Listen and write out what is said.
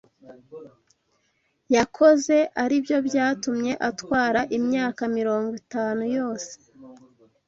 yakoze aribyo byatumye atwara imyaka mirongo itanu yose